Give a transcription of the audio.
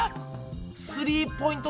スリーポイント